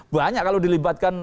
banyak kalau dilibatkan